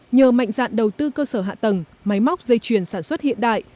nhờ mạnh dạn đầu tư cơ sở hạ tầng máy móc dây chuyền sản xuất hiện đại